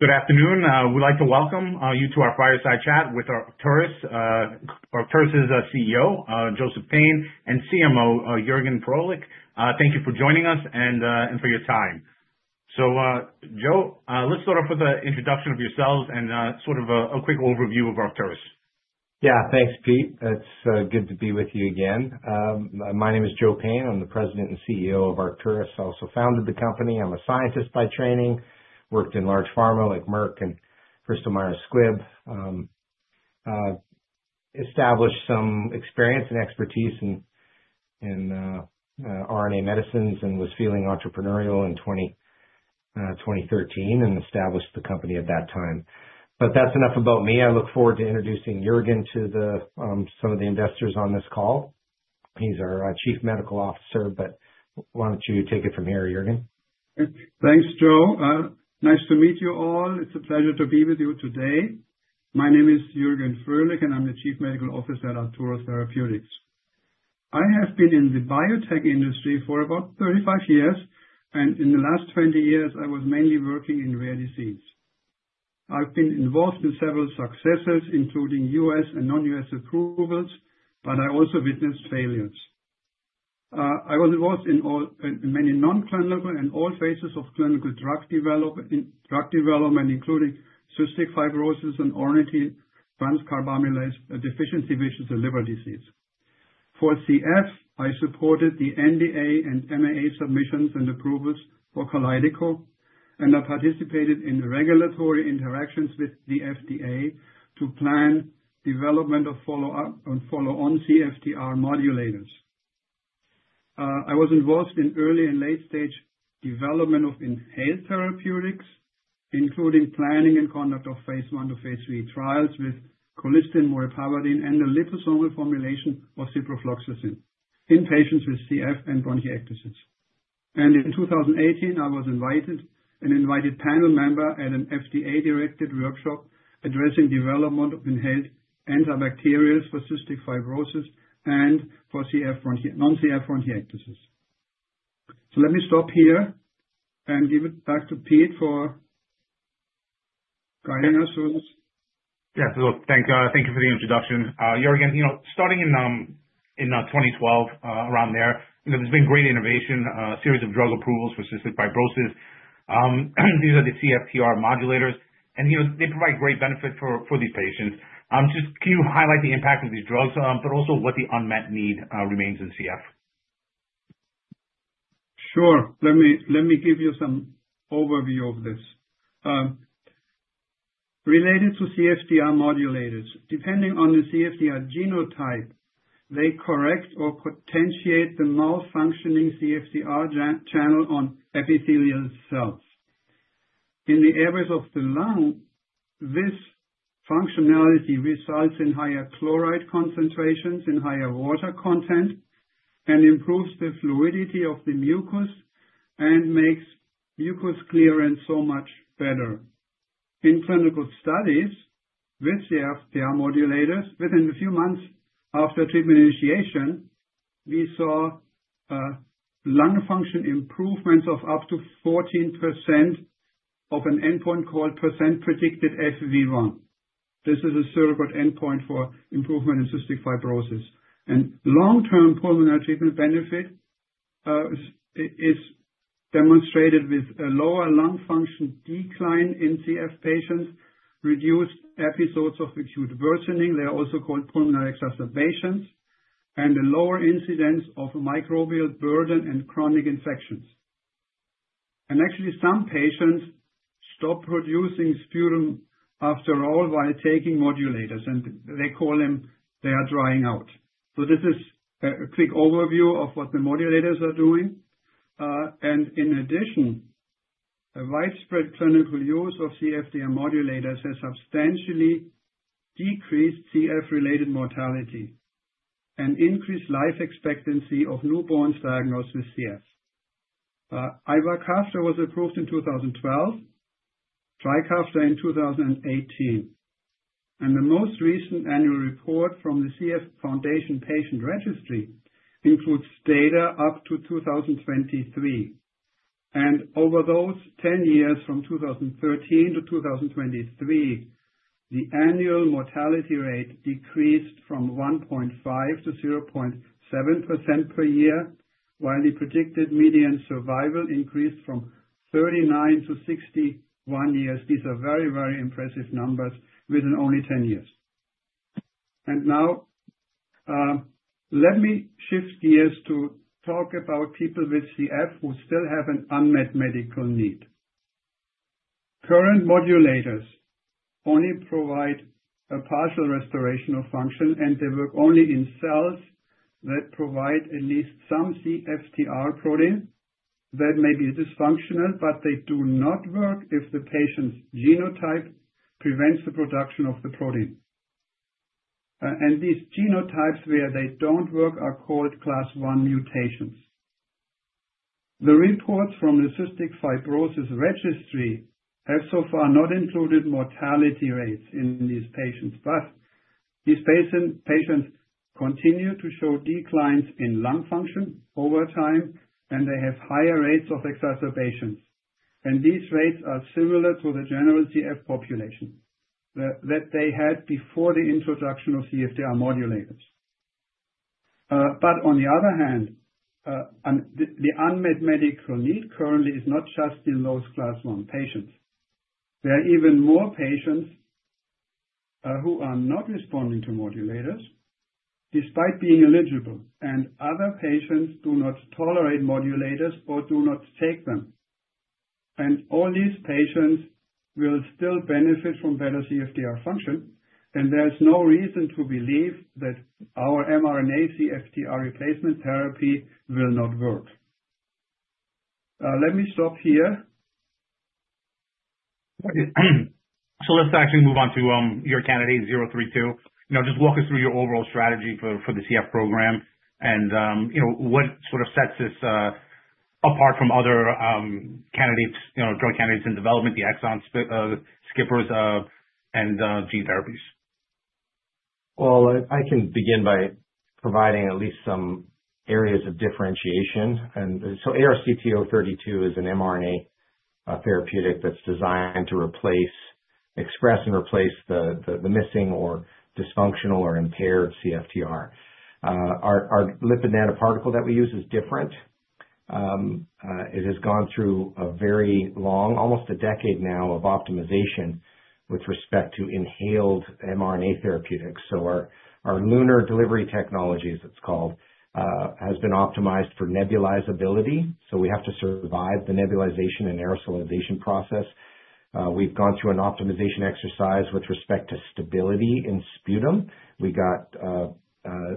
Good afternoon. We'd like to welcome you to our fireside chat with Arcturus' CEO, Joseph Payne, and CMO, Juergen Froehlich. Thank you for joining us and for your time. Joe, let's start off with an introduction of yourselves and sort of a quick overview of Arcturus. Yeah, thanks, Pete. It's good to be with you again. My name is Joe Payne. I'm the President and CEO of Arcturus. I also founded the company. I'm a scientist by training. Worked in large pharma like Merck and Bristol-Myers Squibb. Established some experience and expertise in RNA medicines and was feeling entrepreneurial in 2013 and established the company at that time. That's enough about me. I look forward to introducing Juergen to some of the investors on this call. He's our Chief Medical Officer, but why don't you take it from here, Juergen? Thanks, Joe. Nice to meet you all. It's a pleasure to be with you today. My name is Juergen Froehlich, and I'm the Chief Medical Officer at Arcturus Therapeutics. I have been in the biotech industry for about 35 years, and in the last 20 years, I was mainly working in rare diseases. I've been involved in several successes, including U.S. and non-U.S. approvals, but I also witnessed failures. I was involved in many non-clinical and all phases of clinical drug development, including cystic fibrosis and ornithine transcarbamylase deficiency-vision, a liver disease. For CF, I supported the NDA and MAA submissions and approvals for KALYDECO, and I participated in regulatory interactions with the FDA to plan development of follow-on CFTR modulators. I was involved in early and late-stage development of inhaled therapeutics, including planning and conduct of phase I to phase III trials with colistin, molnupiravir, and a liposomal formulation of ciprofloxacin in patients with CF and bronchiectasis. In 2018, I was an invited panel member at an FDA-directed workshop addressing development of inhaled antibacterials for cystic fibrosis and for CF, non-CF bronchiectasis. Let me stop here and give it back to Pete for guiding us through this. Yeah, thank you for the introduction. Juergen, starting in 2012, around there, there's been great innovation, a series of drug approvals for cystic fibrosis. These are the CFTR modulators, and they provide great benefit for these patients. Just can you highlight the impact of these drugs, but also what the unmet need remains in CF? Sure. Let me give you some overview of this. Related to CFTR modulators, depending on the CFTR genotype, they correct or potentiate the malfunctioning CFTR channel on epithelial cells. In the areas of the lung, this functionality results in higher chloride concentrations, in higher water content, and improves the fluidity of the mucus and makes mucus clearance so much better. In clinical studies with CFTR modulators, within a few months after treatment initiation, we saw lung function improvements of up to 14% of an endpoint called percent predicted FEV1. This is a surrogate endpoint for improvement in cystic fibrosis. Long-term pulmonary treatment benefit is demonstrated with a lower lung function decline in CF patients, reduced episodes of acute worsening. They are also called pulmonary exacerbations, and a lower incidence of microbial burden and chronic infections. Actually, some patients stop producing sputum after a while taking modulators, and they call them they are drying out. This is a quick overview of what the modulators are doing. In addition, widespread clinical use of CFTR modulators has substantially decreased CF-related mortality and increased life expectancy of newborns diagnosed with CF. Ivacaftor was approved in 2012, TRIKAFTA in 2018. The most recent annual report from the CF Foundation Patient Registry includes data up to 2023. Over those 10 years, from 2013 to 2023, the annual mortality rate decreased from 1.5% to 0.7% per year, while the predicted median survival increased from 39% to 61%. These are very, very impressive numbers within only 10 years. Let me shift gears to talk about people with CF who still have an unmet medical need. Current modulators only provide a partial restoration of function, and they work only in cells that provide at least some CFTR protein that may be dysfunctional, but they do not work if the patient's genotype prevents the production of the protein. These genotypes where they do not work are called Class I mutations. The reports from the Cystic Fibrosis Registry have so far not included mortality rates in these patients, but these patients continue to show declines in lung function over time, and they have higher rates of exacerbations. These rates are similar to the general CF population that they had before the introduction of CFTR modulators. The unmet medical need currently is not just in those Class I patients. There are even more patients who are not responding to modulators despite being eligible, and other patients do not tolerate modulators or do not take them. All these patients will still benefit from better CFTR function, and there's no reason to believe that our mRNA CFTR replacement therapy will not work. Let me stop here. Let's actually move on to your candidate 032. Just walk us through your overall strategy for the CF program and what sort of sets this apart from other candidates, drug candidates in development, the exon skippers, and gene therapies. I can begin by providing at least some areas of differentiation. ARCT-032 is an mRNA therapeutic that's designed to express and replace the missing or dysfunctional or impaired CFTR. Our lipid nanoparticle that we use is different. It has gone through a very long, almost a decade now, of optimization with respect to inhaled mRNA therapeutics. Our LUNAR delivery technologies, it's called, have been optimized for nebulizability. We have to survive the nebulization and aerosolization process. We've gone through an optimization exercise with respect to stability in sputum. The Cystic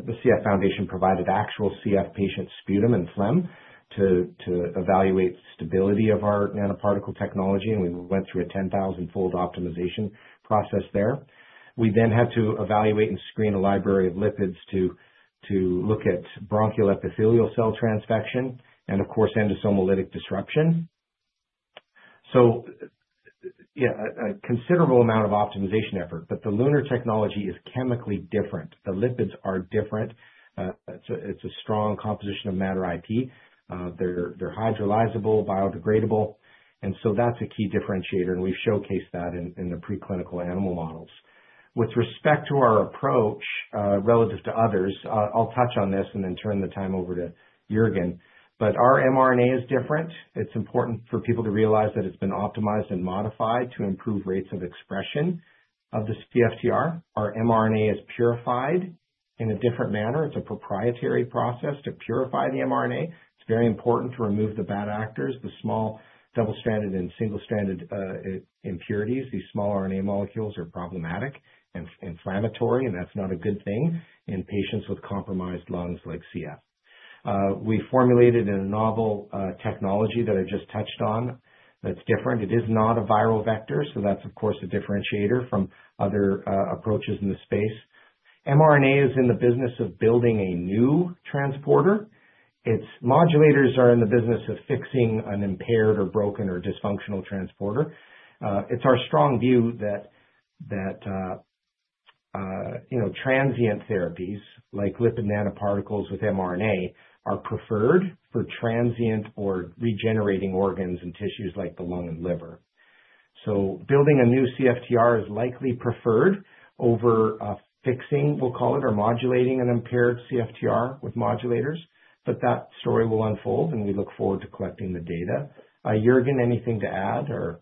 Fibrosis Foundation provided actual CF patient sputum and phlegm to evaluate stability of our nanoparticle technology, and we went through a 10,000-fold optimization process there. We then had to evaluate and screen a library of lipids to look at bronchial epithelial cell transfection and, of course, endosomal lytic disruption. Yeah, a considerable amount of optimization effort, but the LUNAR technology is chemically different. The lipids are different. It's a strong composition of matter IP. They're hydrolyzable, biodegradable, and so that's a key differentiator, and we've showcased that in the preclinical animal models. With respect to our approach relative to others, I'll touch on this and then turn the time over to Juergen, but our mRNA is different. It's important for people to realize that it's been optimized and modified to improve rates of expression of the CFTR. Our mRNA is purified in a different manner. It's a proprietary process to purify the mRNA. It's very important to remove the bad actors, the small double-stranded and single-stranded impurities. These small RNA molecules are problematic and inflammatory, and that's not a good thing in patients with compromised lungs like CF. We formulated a novel technology that I just touched on that's different. It is not a viral vector, so that's, of course, a differentiator from other approaches in the space. mRNA is in the business of building a new transporter. Its modulators are in the business of fixing an impaired or broken or dysfunctional transporter. It's our strong view that transient therapies like lipid nanoparticles with mRNA are preferred for transient or regenerating organs and tissues like the lung and liver. Building a new CFTR is likely preferred over fixing, we'll call it, or modulating an impaired CFTR with modulators, but that story will unfold, and we look forward to collecting the data. Juergen, anything to add or?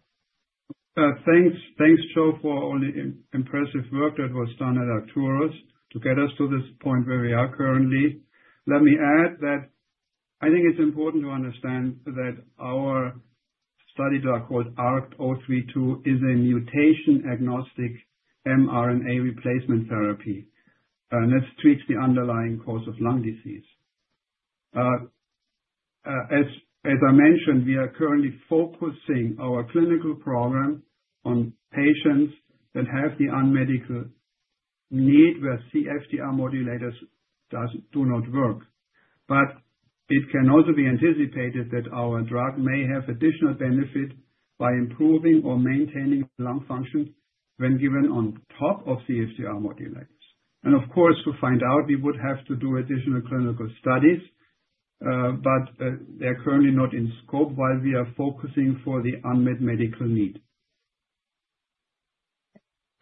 Thanks, Joe, for all the impressive work that was done at Arcturus to get us to this point where we are currently. Let me add that I think it's important to understand that our study drug called ARCT-032 is a mutation-agnostic mRNA replacement therapy, and this tweaks the underlying cause of lung disease. As I mentioned, we are currently focusing our clinical program on patients that have the unmet medical need where CFTR modulators do not work. It can also be anticipated that our drug may have additional benefit by improving or maintaining lung function when given on top of CFTR modulators. Of course, to find out, we would have to do additional clinical studies, but they're currently not in scope while we are focusing for the unmet medical need.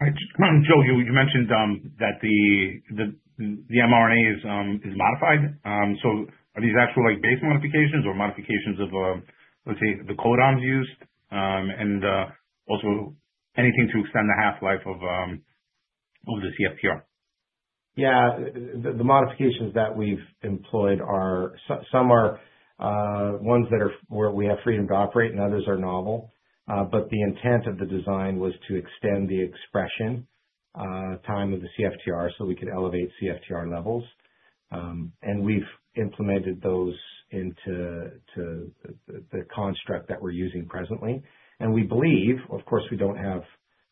Joe, you mentioned that the mRNA is modified. So are these actual base modifications or modifications of, let's say, the codons used and also anything to extend the half-life of the CFTR? Yeah, the modifications that we've employed, some are ones where we have freedom to operate, and others are novel. The intent of the design was to extend the expression time of the CFTR so we could elevate CFTR levels. We've implemented those into the construct that we're using presently. We believe, of course, we don't have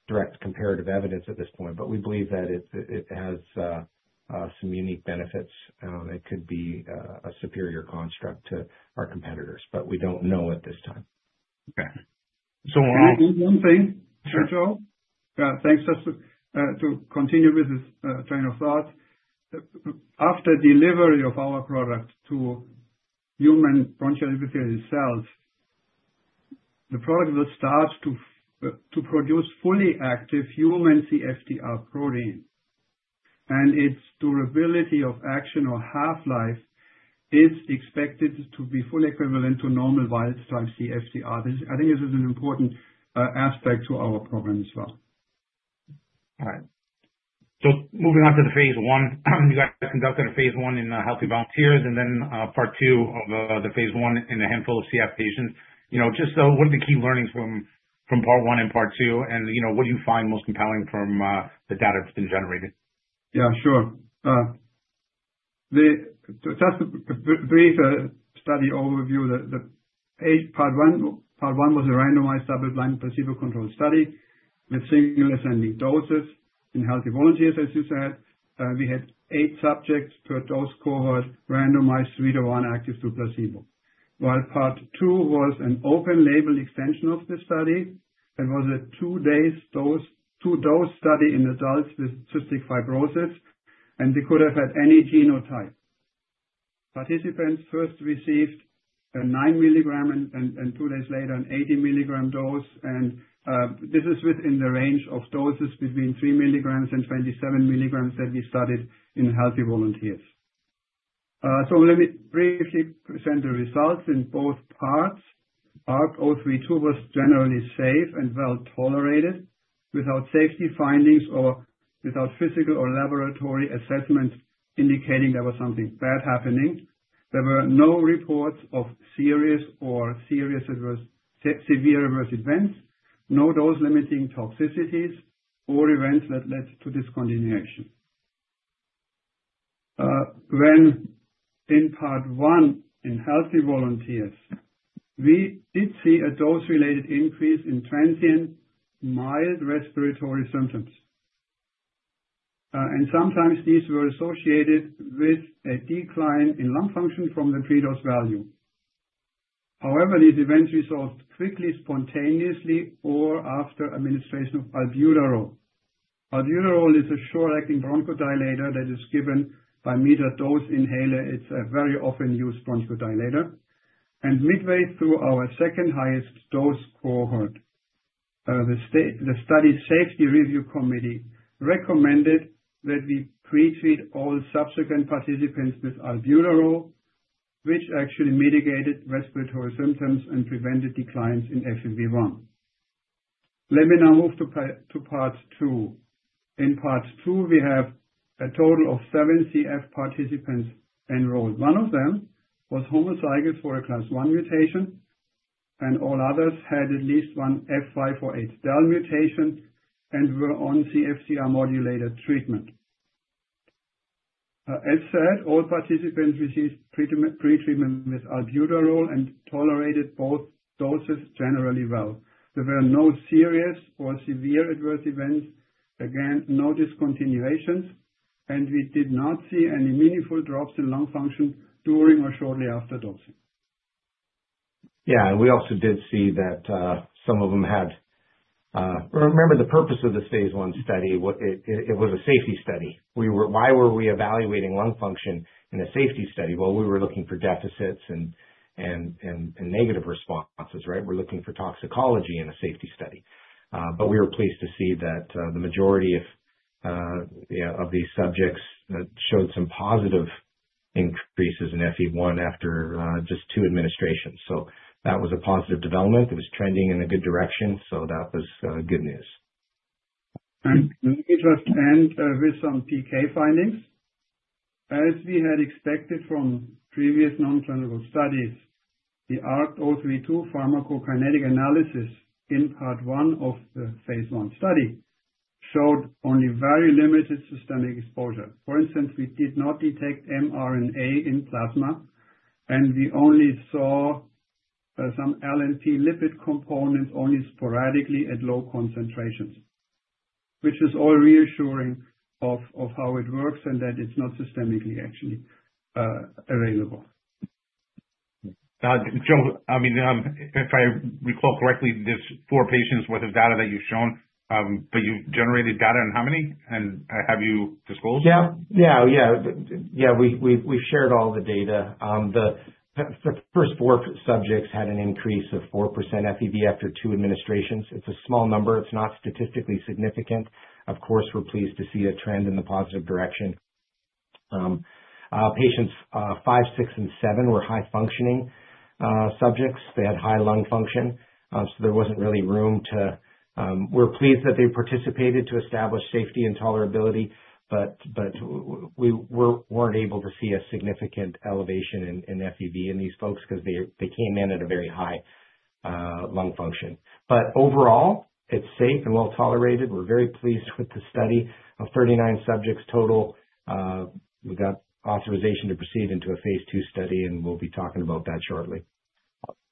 direct comparative evidence at this point, but we believe that it has some unique benefits. It could be a superior construct to our competitors, but we don't know at this time. Okay. One thing, Joe, thanks just to continue with this train of thought. After delivery of our product to human bronchiectasis cells, the product will start to produce fully active human CFTR protein. Its durability of action or half-life is expected to be fully equivalent to normal wild-type CFTR. I think this is an important aspect to our program as well. All right. Moving on to the phase I, you guys conducted a phase I in healthy volunteers, and then part two of the phase I in a handful of CF patients. Just what are the key learnings from part one and part two, and what do you find most compelling from the data that's been generated? Yeah, sure. Just a brief study overview. Part one was a randomized double-blind placebo-controlled study with single-assignment doses in healthy volunteers, as you said. We had eight subjects per dose cohort, randomized three to one active to placebo. While part two was an open-label extension of the study. It was a two-dose study in adults with cystic fibrosis, and they could have had any genotype. Participants first received a 9 mg and two days later an 80 mg dose. This is within the range of doses between 3 mg and 27 mg that we studied in healthy volunteers. Let me briefly present the results in both parts. ARCT-032 was generally safe and well tolerated without safety findings or without physical or laboratory assessments indicating there was something bad happening. There were no reports of serious or severe adverse events, no dose-limiting toxicities, or events that led to discontinuation. In part one in healthy volunteers, we did see a dose-related increase in transient mild respiratory symptoms. Sometimes these were associated with a decline in lung function from the predose value. However, these events resolved quickly, spontaneously, or after administration of albuterol. Albuterol is a short-acting bronchodilator that is given by metered dose inhaler. It is a very often used bronchodilator. Midway through our second highest dose cohort, the study safety review committee recommended that we pretreat all subsequent participants with albuterol, which actually mitigated respiratory symptoms and prevented declines in FEV1. Let me now move to part two. In part two, we have a total of seven CF participants enrolled. One of them was homozygous for a Class I mutation, and all others had at least one F508del mutation and were on CFTR modulated treatment. As said, all participants received pretreatment with albuterol and tolerated both doses generally well. There were no serious or severe adverse events. Again, no discontinuations, and we did not see any meaningful drops in lung function during or shortly after dosing. Yeah, and we also did see that some of them had, remember the purpose of this phase I study. It was a safety study. Why were we evaluating lung function in a safety study? We were looking for deficits and negative responses, right? We're looking for toxicology in a safety study. We were pleased to see that the majority of these subjects showed some positive increases in FEV1 after just two administrations. That was a positive development. It was trending in a good direction, so that was good news. With some PK findings. As we had expected from previous nonclinical studies, the ARCT-032 pharmacokinetic analysis in part one of the phase I study showed only very limited systemic exposure. For instance, we did not detect mRNA in plasma, and we only saw some LNP lipid components only sporadically at low concentrations, which is all reassuring of how it works and that it's not systemically actually available. Joe, I mean, if I recall correctly, there's four patients with the data that you've shown, but you've generated data on how many? And have you disclosed? Yeah, yeah, yeah. We've shared all the data. The first four subjects had an increase of 4% FEV1 after two administrations. It's a small number. It's not statistically significant. Of course, we're pleased to see a trend in the positive direction. Patients five, six, and seven were high-functioning subjects. They had high lung function, so there wasn't really room to—we're pleased that they participated to establish safety and tolerability, but we weren't able to see a significant elevation in FEV1 in these folks because they came in at a very high lung function. Overall, it's safe and well tolerated. We're very pleased with the study of 39 subjects total. We got authorization to proceed into a phase II study, and we'll be talking about that shortly.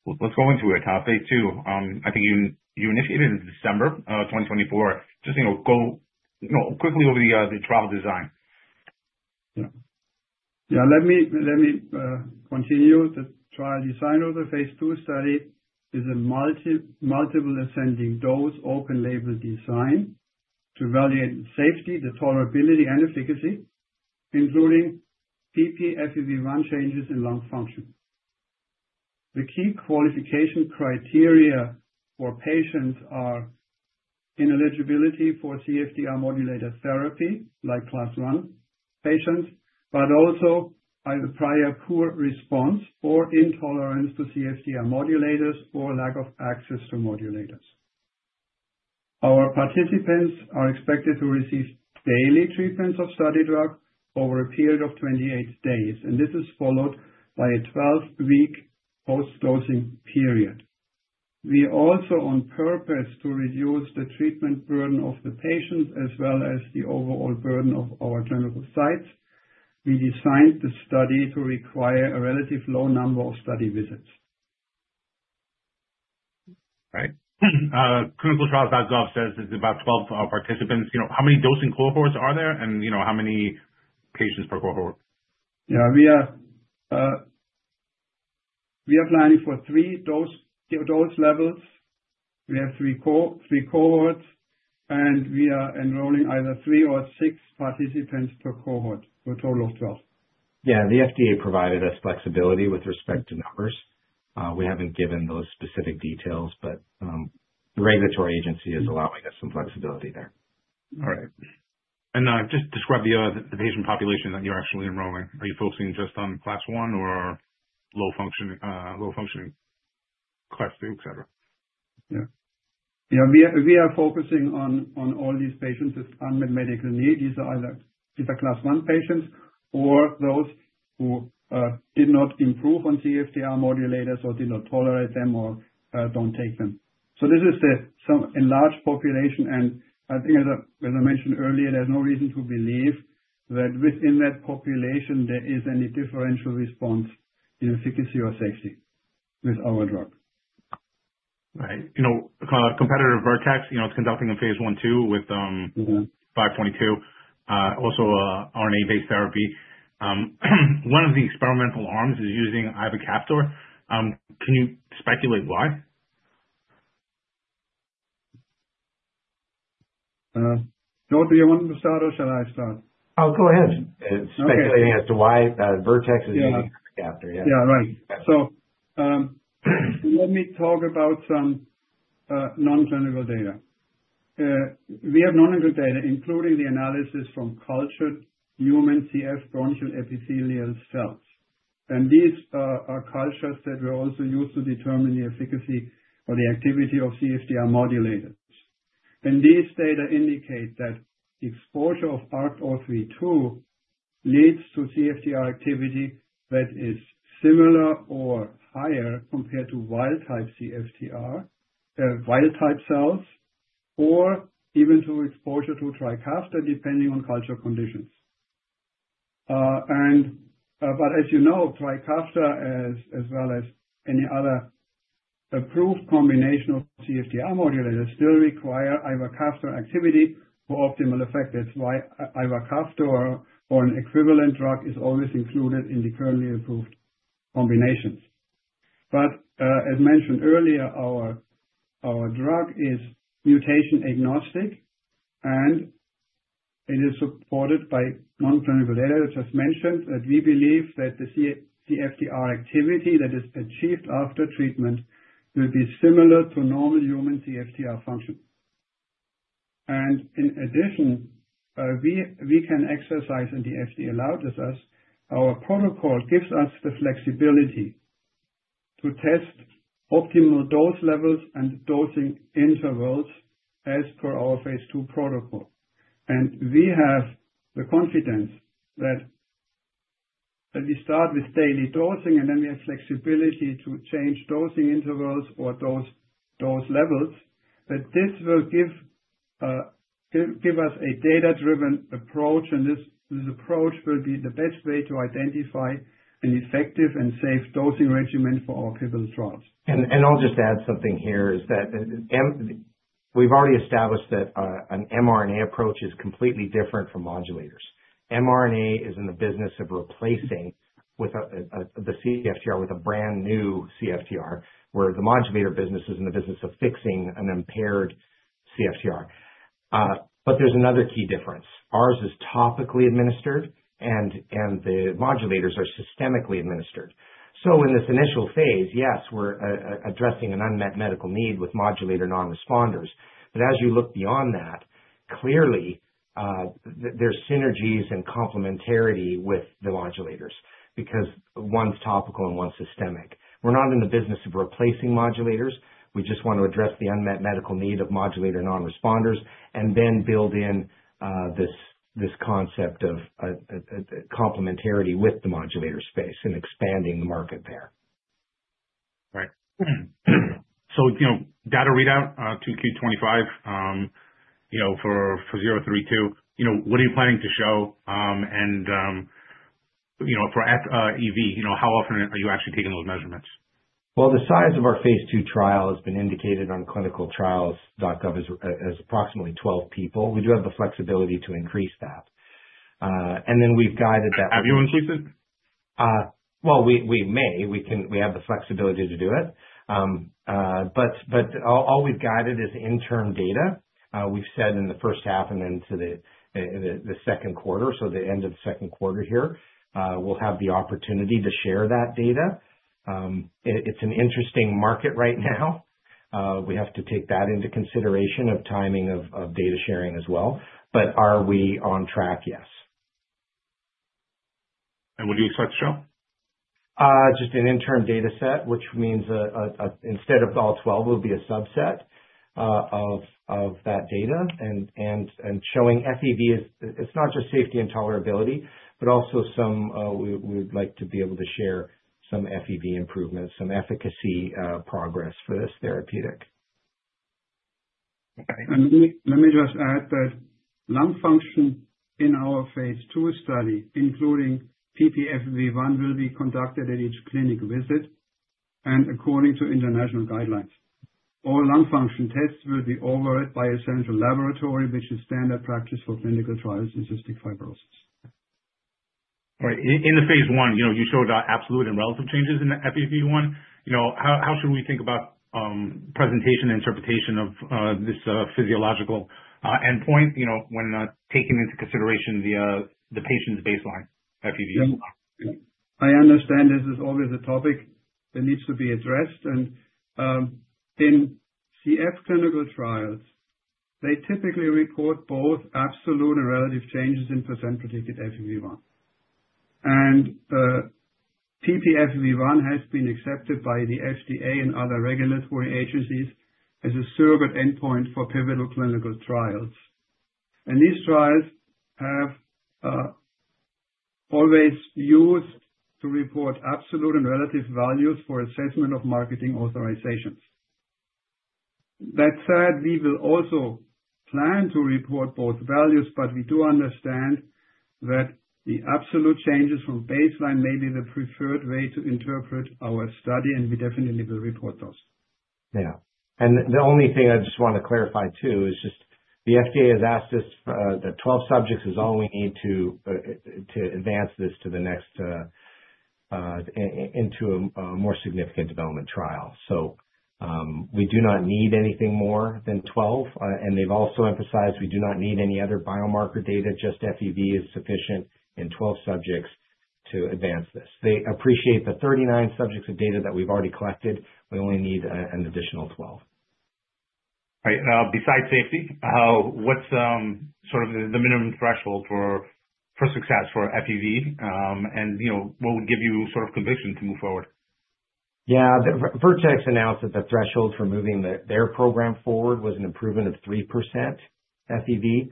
Let's go into a topic too. I think you initiated in December 2024. Just go quickly over the trial design. Yeah, let me continue the trial design of the phase II study with a multiple-assignment dose open-label design to evaluate the safety, the tolerability, and efficacy, including PPFEV1 changes in lung function. The key qualification criteria for patients are ineligibility for CFTR modulator therapy like Class I patients, but also either prior poor response or intolerance to CFTR modulators or lack of access to modulators. Our participants are expected to receive daily treatments of study drug over a period of 28 days, and this is followed by a 12-week post-dosing period. We also on purpose to reduce the treatment burden of the patients as well as the overall burden of our clinical sites, we designed the study to require a relative low number of study visits. All right. Clinicaltrials.gov says it's about 12 participants. How many dosing cohorts are there, and how many patients per cohort? Yeah, we are planning for three dose levels. We have three cohorts, and we are enrolling either three or six participants per cohort, a total of 12. Yeah, the FDA provided us flexibility with respect to numbers. We haven't given those specific details, but the regulatory agency is allowing us some flexibility there. All right. Just describe the patient population that you're actually enrolling. Are you focusing just on Class I or low-functioning class two, etc.? Yeah. Yeah, we are focusing on all these patients with unmet medical needs. These are either Class I patients or those who did not improve on CFTR modulators or did not tolerate them or do not take them. This is some enlarged population, and I think, as I mentioned earlier, there is no reason to believe that within that population, there is any differential response in efficacy or safety with our drug. Right. Competitor Vertex is conducting a phase I too with 522, also RNA-based therapy. One of the experimental arms is using Ivacaftor. Can you speculate why? Joe, do you want to start, or shall I start? Oh, go ahead. Speculating as to why Vertex is using ivacaftor, yeah. Yeah, right. Let me talk about some nonclinical data. We have nonclinical data, including the analysis from cultured human CF bronchial epithelial cells. These are cultures that we also use to determine the efficacy or the activity of CFTR modulators. These data indicate that exposure of ARCT-032 leads to CFTR activity that is similar or higher compared to wild-type CFTR, wild-type cells, or even to exposure to TRIKAFTA depending on culture conditions. As you know, TRIKAFTA, as well as any other approved combination of CFTR modulators, still require ivacaftor activity for optimal effect. That is why ivacaftor or an equivalent drug is always included in the currently approved combinations. As mentioned earlier, our drug is mutation agnostic, and it is supported by nonclinical data that just mentioned that we believe that the CFTR activity that is achieved after treatment will be similar to normal human CFTR function. In addition, we can exercise, and the FDA allowed us. Our protocol gives us the flexibility to test optimal dose levels and dosing intervals as per our phase II protocol. We have the confidence that we start with daily dosing, and then we have flexibility to change dosing intervals or dose levels. This will give us a data-driven approach, and this approach will be the best way to identify an effective and safe dosing regimen for our pivotal trials. I'll just add something here is that we've already established that an mRNA approach is completely different from modulators. mRNA is in the business of replacing the CFTR with a brand new CFTR, where the modulator business is in the business of fixing an impaired CFTR. There is another key difference. Ours is topically administered, and the modulators are systemically administered. In this initial phase, yes, we're addressing an unmet medical need with modulator non-responders. As you look beyond that, clearly, there's synergies and complementarity with the modulators because one's topical and one's systemic. We're not in the business of replacing modulators. We just want to address the unmet medical need of modulator non-responders and then build in this concept of complementarity with the modulator space and expanding the market there. Right. So data readout 2Q 2025 for 032, what are you planning to show? And for FEV, how often are you actually taking those measurements? The size of our phase II trial has been indicated on clinicaltrials.gov as approximately 12 people. We do have the flexibility to increase that. And then we've guided that. Have you increased it? We may. We have the flexibility to do it. All we've guided is interim data. We've said in the first half and then to the second quarter, so the end of the second quarter here, we'll have the opportunity to share that data. It's an interesting market right now. We have to take that into consideration of timing of data sharing as well. Are we on track? Yes. What do you expect to show? Just an interim data set, which means instead of all 12, it will be a subset of that data and showing FEV1. It's not just safety and tolerability, but also some we would like to be able to share some FEV1 improvements, some efficacy progress for this therapeutic. Okay. Let me just add that lung function in our phase II study, including PPFEV1, will be conducted at each clinic visit and according to international guidelines. All lung function tests will be overread by a central laboratory, which is standard practice for clinical trials in cystic fibrosis. All right. In the phase I, you showed absolute and relative changes in FEV1. How should we think about presentation and interpretation of this physiological endpoint when taking into consideration the patient's baseline FEV1? I understand this is always a topic that needs to be addressed. In CF clinical trials, they typically report both absolute and relative changes in percent predicted FEV1. PPFEV1 has been accepted by the FDA and other regulatory agencies as a surrogate endpoint for pivotal clinical trials. These trials have always used to report absolute and relative values for assessment of marketing authorizations. That said, we will also plan to report both values, but we do understand that the absolute changes from baseline may be the preferred way to interpret our study, and we definitely will report those. Yeah. The only thing I just want to clarify too is just the FDA has asked us the 12 subjects is all we need to advance this to the next into a more significant development trial. We do not need anything more than 12. They have also emphasized we do not need any other biomarker data. Just FEV is sufficient in 12 subjects to advance this. They appreciate the 39 subjects of data that we have already collected. We only need an additional 12. All right. Now, besides safety, what's sort of the minimum threshold for success for FEV1? And what would give you sort of conviction to move forward? Yeah. Vertex announced that the threshold for moving their program forward was an improvement of 3% FEV.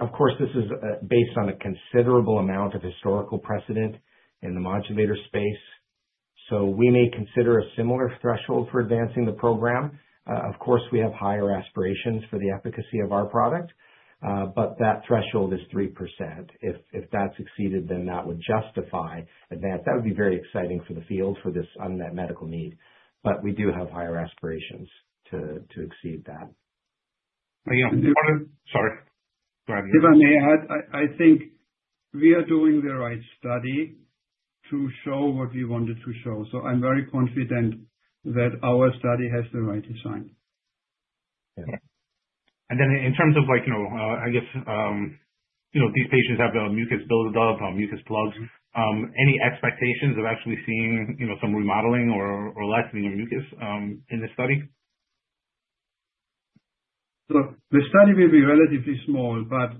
Of course, this is based on a considerable amount of historical precedent in the modulator space. We may consider a similar threshold for advancing the program. Of course, we have higher aspirations for the efficacy of our product, but that threshold is 3%. If that's exceeded, then that would justify advance. That would be very exciting for the field for this unmet medical need. We do have higher aspirations to exceed that. Yeah. Sorry. Go ahead. If I may add, I think we are doing the right study to show what we wanted to show. I'm very confident that our study has the right design. In terms of, I guess, these patients have mucus buildup or mucus plugs, any expectations of actually seeing some remodeling or lessening of mucus in this study? Look, the study will be relatively small, but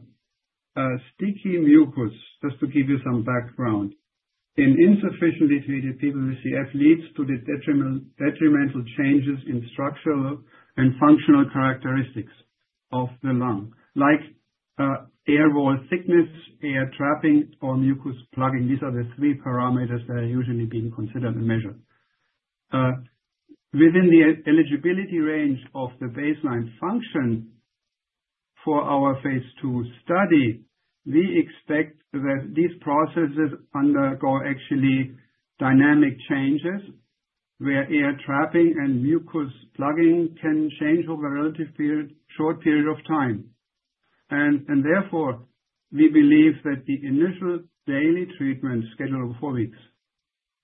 sticky mucus, just to give you some background, in insufficiently treated people with CF leads to detrimental changes in structural and functional characteristics of the lung, like airway wall thickness, air trapping, or mucus plugging. These are the three parameters that are usually being considered and measured. Within the eligibility range of the baseline function for our phase II study, we expect that these processes undergo actually dynamic changes where air trapping and mucus plugging can change over a relatively short period of time. Therefore, we believe that the initial daily treatment schedule of four weeks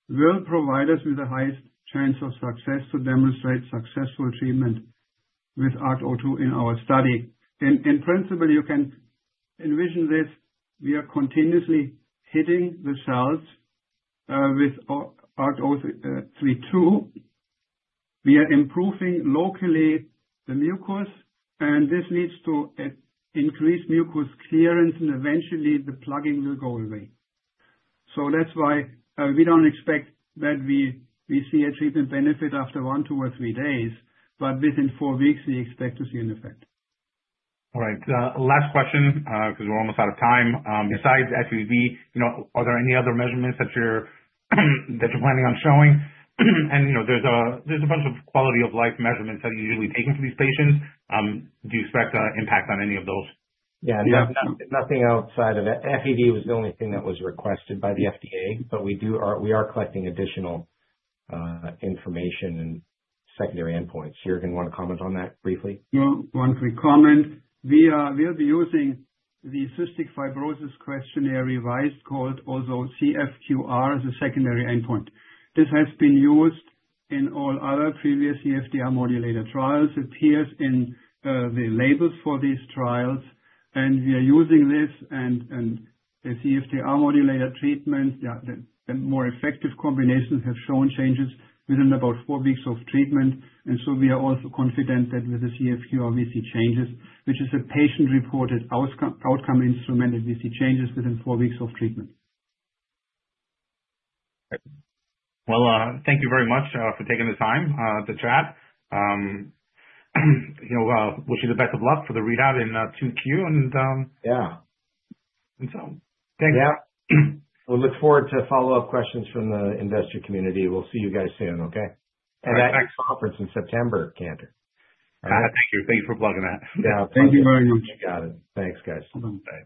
will provide us with the highest chance of success to demonstrate successful treatment with ARCT-032 in our study. In principle, you can envision this. We are continuously hitting the cells with ARCT-032. We are improving locally the mucus, and this leads to increased mucus clearance, and eventually, the plugging will go away. That is why we do not expect that we see a treatment benefit after one, two, or three days, but within four weeks, we expect to see an effect. All right. Last question because we're almost out of time. Besides FEV1, are there any other measurements that you're planning on showing? There are a bunch of quality of life measurements that are usually taken for these patients. Do you expect an impact on any of those? Yeah. Nothing outside of FEV1 was the only thing that was requested by the FDA, but we are collecting additional information and secondary endpoints. You're going to want to comment on that briefly? One quick comment. We'll be using the Cystic Fibrosis Questionnaire Revised, called also CFQR, as a secondary endpoint. This has been used in all other previous CFTR modulator trials. It appears in the labels for these trials. We are using this, and the CFTR modulator treatment, the more effective combinations have shown changes within about four weeks of treatment. We are also confident that with the CFQR, we see changes, which is a patient-reported outcome instrument, that we see changes within four weeks of treatment. Thank you very much for taking the time to chat. Wish you the best of luck for the readout in 2Q. Thanks. Yeah. We'll look forward to follow-up questions from the investor community. We'll see you guys soon, okay? All right. That conference in September, Cantor. Thank you. Thank you for plugging that. Yeah. Thank you very much. You got it. Thanks, guys. Bye.